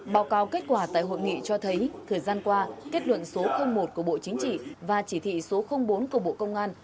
báo cáo kết quả tại hội nghị cho thấy thời gian qua kết luận số một của bộ chính trị và chỉ thị số bốn của bộ công an